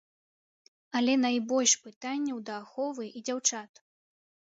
Але найбольш пытанняў да аховы і дзяўчат.